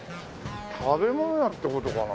食べ物屋って事かな